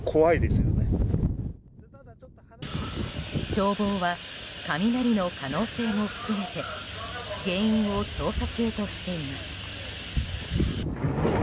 消防は雷の可能性も含めて原因を調査中としています。